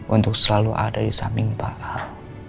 untuk selalu ada di samping pak al